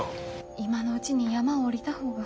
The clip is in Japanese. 今のうちに山を下りた方が。